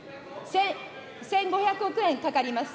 １５００億円かかります。